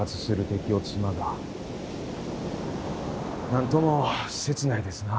何とも切ないですな。